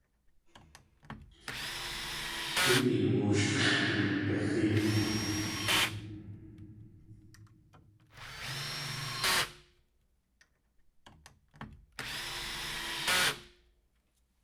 Du een woosh x̲ʼeendaxéet!